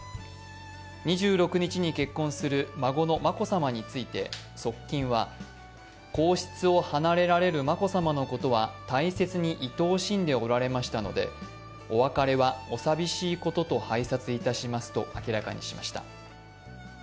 ２６日に結婚する孫の眞子さまについて側近は、皇室を離れられる眞子さまのことは大切にいとおしんでおられましたのでお別れはお寂しいことと拝察いたしますと明らかにしました。